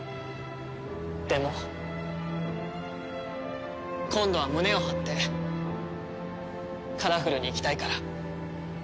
でも今度は胸を張ってカラフルに行きたいから。